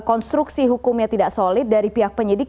konstruksi hukumnya tidak solid dari pihak penyidik